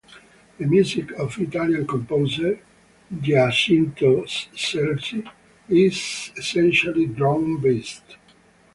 The music of Italian composer Giacinto Scelsi is essentially drone-based.